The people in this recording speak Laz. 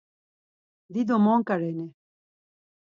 Dido monǩa reni?